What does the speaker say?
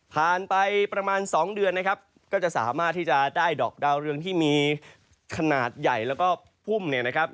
ผ่านไปประมาณ๒เดือนนะครับก็จะสามารถที่จะได้ดอกดาวเรืองที่มีขนาดใหญ่แล้วก็พุ่มเนี่ยนะครับ